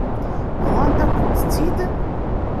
Bḍant-akent-tt-id.